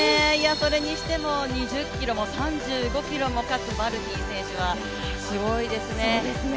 それにしても２０ｋｍも３５ｋｍも勝ったマルティン選手はすごいですね。